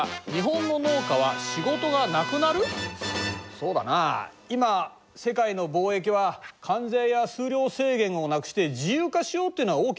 そうだな今世界の貿易は関税や数量制限をなくして自由化しようっていうのが大きな流れだ。